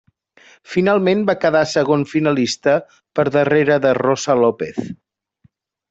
Finalment va quedar segon finalista per darrere de Rosa López.